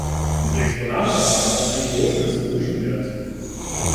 Diese Exponate haben auch einen großen historischen Wert.